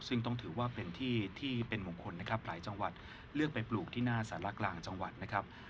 ซึ่งต้องถือว่าเป็นที่ที่เป็นมงคลนะครับหลายจังหวัดเลือกไปปลูกที่หน้าสารกลางจังหวัดนะครับ